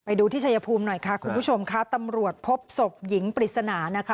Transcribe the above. ดูที่ชายภูมิหน่อยค่ะคุณผู้ชมค่ะตำรวจพบศพหญิงปริศนานะคะ